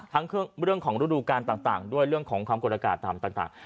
ทั้งเรื่องของรูดูการต่างด้วยเรื่องของความกฎากาศต่าง